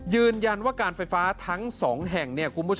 ยืนยันว่าการไฟฟ้าทั้งสองแห่ง